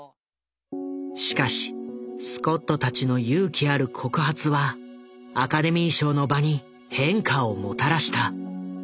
しかしスコットたちの勇気ある告発はアカデミー賞の場に変化をもたらした。